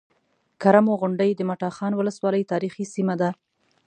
کرمو غونډۍ د مټاخان ولسوالۍ تاريخي سيمه ده